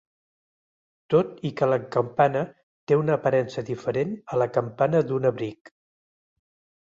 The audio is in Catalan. Tot i que la campana té una aparença diferent a la campana d'un abric.